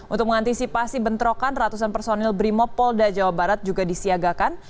untuk mengantisipasi bentrokan ratusan personil brimopolda jawa barat juga disiagakan